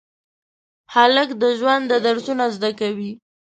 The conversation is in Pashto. هلک د ژونده درسونه زده کوي.